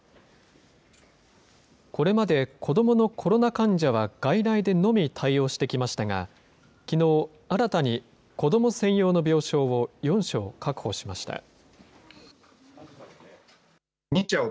これまで子どものコロナ患者は外来でのみ対応してきましたが、きのう、新たに子ども専用の病床を４床確保しました。